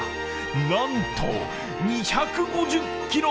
なんと２５０ｋｇ！